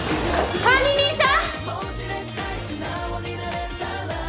管理人さん！